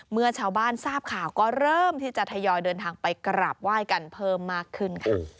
เมื่อชาวบ้านทราบข่าวก็เริ่มที่จะทยอยเดินทางไปกราบไหว้กันเพิ่มมากขึ้นค่ะ